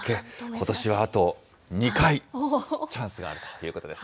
ことしはあと２回、チャンスがあるということです。